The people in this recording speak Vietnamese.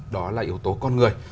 đó là yếu tố con người